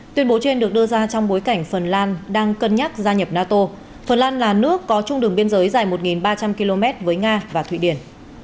tuyên bố trên được đưa ra trong bối cảnh phần lan đang cân nhắc gia nhập nato phần lan là nước có chung đường biên giới dài một ba trăm linh km với nga và thụy điển